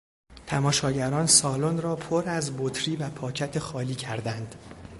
تماشاگران سالن را پر از بطری و پاکت خالی کردند.